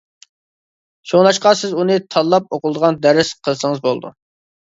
شۇڭلاشقا سىز ئۇنى «تاللاپ ئوقۇلىدىغان دەرس» قىلسىڭىز بولىدۇ.